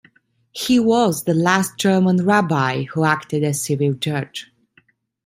He was the last German rabbi who acted as civil judge.